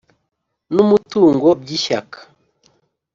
n umutungo by Ishyaka